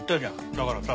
だからさ